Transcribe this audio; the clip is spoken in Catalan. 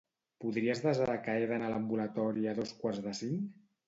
Podries desar que he d'anar a l'ambulatori a dos quarts de cinc?